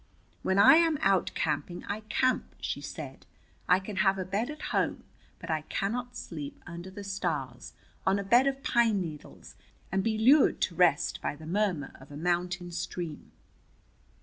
"When I am out camping, I camp," she said. "I can have a bed at home, but I cannot sleep under the stars, on a bed of pine needles, and be lured to rest by the murmur of a mountain stream."